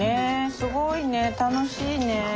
すごいね楽しいね。